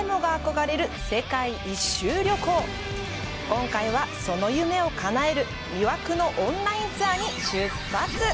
今回は、その夢をかなえる魅惑のオンラインツアーに出発！